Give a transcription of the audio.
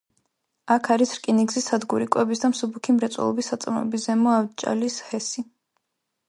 აქ არის რკინიგზის სადგური, კვების და მსუბუქი მრეწველობის საწარმოები, ზემო ავჭალის ჰესი.